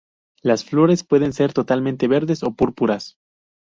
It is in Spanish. Las flores pueden ser totalmente verdes o púrpuras.